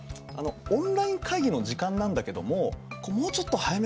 オンライン会議の時間なんだけどももうちょっと早めることできないかな？